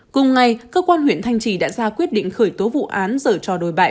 cùng ngày cơ quan huyện thanh trì đã ra quyết định khởi tố vụ án dở cho đối bại